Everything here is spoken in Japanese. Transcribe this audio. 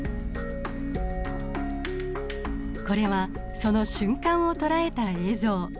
これはその瞬間を捉えた映像。